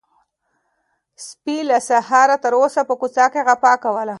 سپي له سهاره تر اوسه په کوڅه کې غپا کوله.